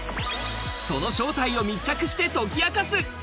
その正体を密着して解き明かす！